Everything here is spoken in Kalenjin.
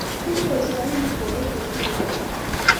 kinyoru sorunik borwek che sirei konom.